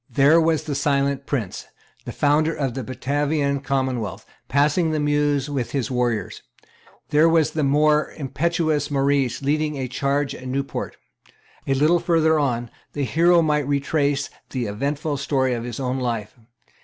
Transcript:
There was the silent prince, the founder of the Batavian commonwealth, passing the Meuse with his warriors. There was the more impetuous Maurice leading the charge at Nieuport. A little further on, the hero might retrace the eventful story of his own life.